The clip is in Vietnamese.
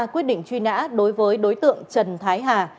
quyết định truy nã đối với đối tượng trần thái hà